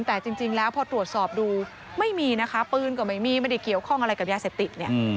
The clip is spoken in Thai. แต่จริงแล้วพอตรวจสอบดูไม่มีนะคะปืนก็ไม่มีไม่ได้เกี่ยวข้องอะไรกับยาเสพติดเนี่ย